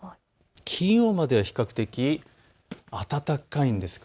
金曜日までは比較的暖かいんです。